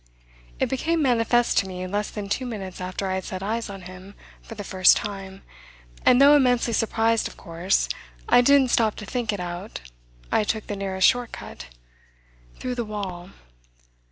It became manifest to me less than two minutes after I had set eyes on him for the first time, and though immensely surprised of course I didn't stop to think it out I took the nearest short cut through the wall.